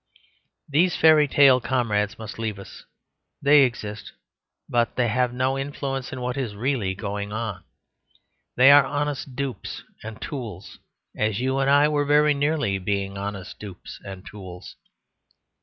These fairy tale comrades must leave us. They exist, but they have no influence in what is really going on. They are honest dupes and tools, as you and I were very nearly being honest dupes and tools.